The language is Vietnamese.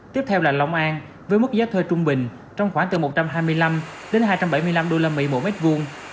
tiếp theo là lòng an với mức giá thuê trung bình trong khoảng từ một trăm hai mươi năm hai trăm bảy mươi năm usd mỗi mét vuông